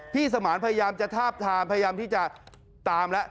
สมานพยายามจะทาบทามพยายามที่จะตามแล้ว